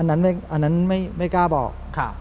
อันนั้นไม่กล้าบอก